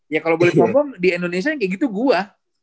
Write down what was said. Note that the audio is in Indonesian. ya kalau boleh ngomong di indonesia kayak gitu gue